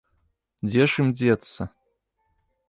Дзе ж ім дзецца?